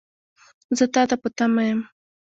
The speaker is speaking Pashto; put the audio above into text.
زه تا ته په تمه یم .